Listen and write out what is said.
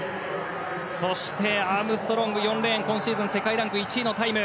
そして、アームストロング４レーン今シーズン世界ランク１位のタイム。